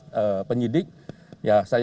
dan dengan keterangan membuat rekonstruksi sendiri